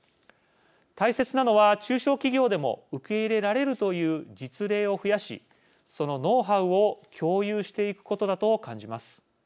大切なのは中小企業でも受け入れられるという実例を増やしそのノウハウを共有していくことだと感じます。